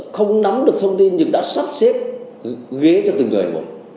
không nắm được thông tin nhưng đã sắp xếp ghế cho từng người một